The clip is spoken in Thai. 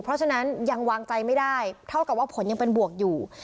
เพราะฉะนั้นยังวางใจไม่ได้เท่ากับว่าผลยังเป็นบวกอยู่